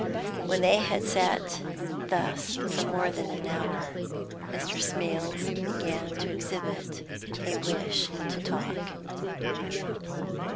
When they had sat thus for more than an hour, Mr. Smales began to exhibit a wish to talk.